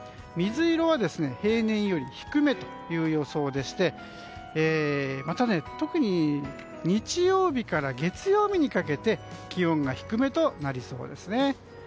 水色は、平年より低めという予想でしてまた、特に日曜日から月曜日にかけて気温が低めとなりそうですね。